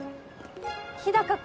日高君。